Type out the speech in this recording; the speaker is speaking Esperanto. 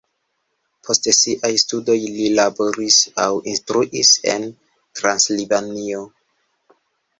Post siaj studoj li laboris aŭ instruis en Transilvanio.